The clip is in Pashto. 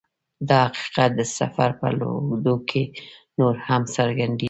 دا حقیقت د سفر په اوږدو کې نور هم څرګندیږي